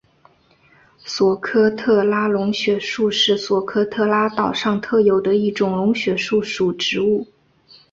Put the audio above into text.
索科特拉龙血树是索科特拉岛上特有的一种龙血树属植物。